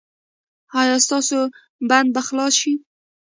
ایا ستاسو بند به خلاص شي؟